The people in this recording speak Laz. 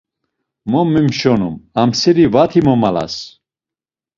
Mot memşonum, amseri vati momalas.